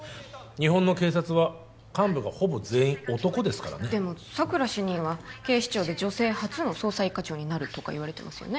日本の警察は幹部がほぼ全員男ですからねでも佐久良主任は警視庁で女性初の捜査一課長になるとかいわれてますよね